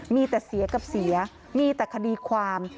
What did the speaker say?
มีแต่เสียกับเสียมีแต่คดีความ